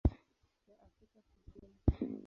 ya Afrika Kusini.